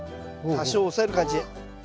多少押さえる感じ。